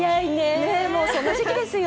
もうその時期ですよ。